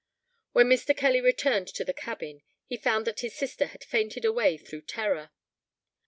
When Mr. Kelly returned to the cabin, he found that his sister had fainted away through terror.